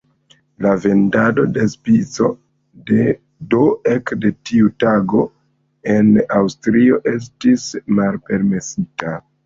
La vendado de "Spico" do ekde tiu tago en Aŭstrio estis malpermesita.